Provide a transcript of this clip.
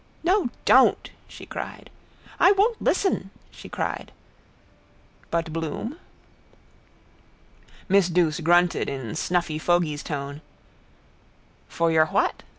—No, don't, she cried. —I won't listen, she cried. But Bloom? Miss Douce grunted in snuffy fogey's tone: —For your what?